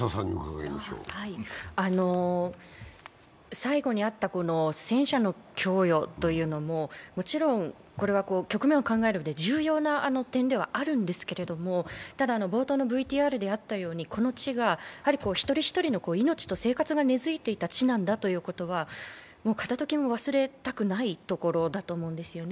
最後にあった戦車の供与というのも、もちろん、局面を考えるうえで重要ではあるんですけど、ただ、冒頭のＶＴＲであったように、この地が、一人一人の命が生活が根づいていた地なんだということは片ときも忘れてはいけないことなんだと思います。